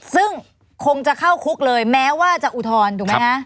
ซึ่งคงจะเข้าคุกเลยแม้ว่าจะอุทธรณ์ถูกไหมคะ